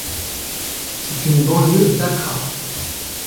C’est une banlieue d’Accra.